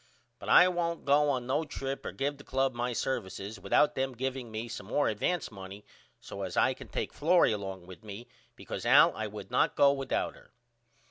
But I won't go on no trip or give the club my services without them giveing me some more advance money so as I can take Florrie along with me because Al I would not go without her.